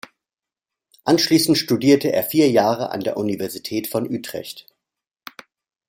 Anschließend studierte er vier Jahre an der Universität von Utrecht.